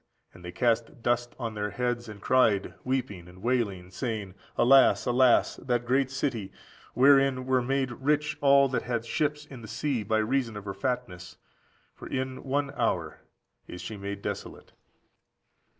And they cast dust on their heads, and cried, weeping and wailing, saying, Alas, alas! that great city, wherein were made rich all that had ships in the sea by reason of her fatness!14851485 πιότητος, for the received τιμιότητος. for in one hour is she made desolate.